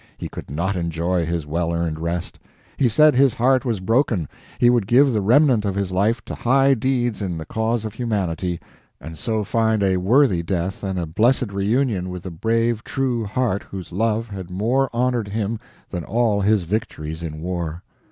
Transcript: He could not enjoy his well earned rest. He said his heart was broken, he would give the remnant of his life to high deeds in the cause of humanity, and so find a worthy death and a blessed reunion with the brave true heart whose love had more honored him than all his victories in war.